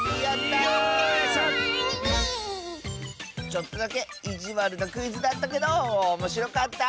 ちょっとだけいじわるなクイズだったけどおもしろかった。